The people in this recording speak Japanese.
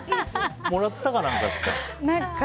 もらったか何かですか？